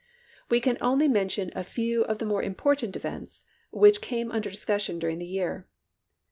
We can only mention a few of the more important events which came under discussion during the year.